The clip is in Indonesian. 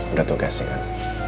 udah tugasnya kan